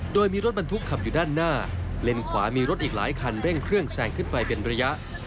โดยมีรถบรรทุกขับอยู่ด้านหน้าเลนขวามีรถอีกหลายคันเร่งเครื่องแซงขึ้นไปเป็นระยะ